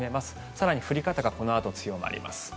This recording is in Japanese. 更に降り方がこのあと、強まります。